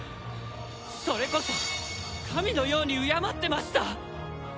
それこそ神のように敬ってました。